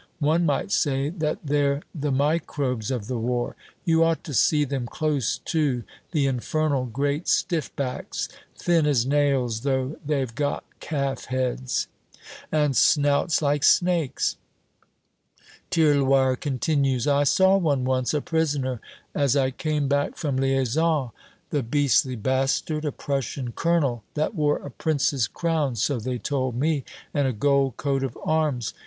One might say that they're the microbes of the war. You ought to see them close to the infernal great stiff backs, thin as nails, though they've got calf heads." "And snouts like snakes." Tirloir continues: "I saw one once, a prisoner, as I came back from liaison. The beastly bastard! A Prussian colonel, that wore a prince's crown, so they told me, and a gold coat of arms.